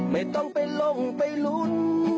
ไม่ต้องไปลงไปลุ้น